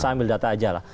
sambil data aja lah